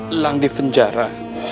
elang di penjara